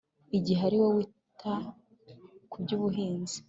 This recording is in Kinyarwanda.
igihe ari we wita ku by’ubuhinzi